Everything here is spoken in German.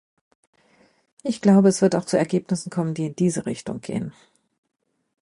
Ich glaube, es wird auch zu Ergebnissen kommen, die in diese Richtung gehen.